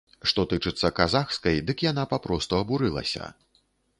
Што тычыцца казахскай, дык яна папросту абурылася.